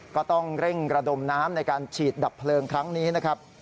ก็ต้องเร่งระดมน้ำในการฉีดดับเพลิงครั้งนี้นะครับ